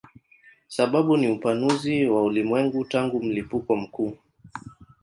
Sababu ni upanuzi wa ulimwengu tangu mlipuko mkuu.